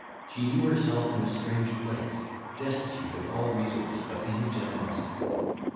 She knew herself in a strange place, destitute of all resource but in his generosity.